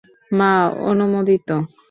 মা অনুমোদিত।